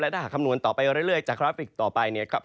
ถ้าหากคำนวณต่อไปเรื่อยจากกราฟิกต่อไปเนี่ยครับ